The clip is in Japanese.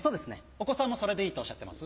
お子さんもそれでいいとおっしゃってます？